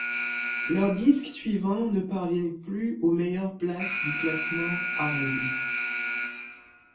Leurs disques suivants ne parviennent plus aux meilleures places du classement R&B.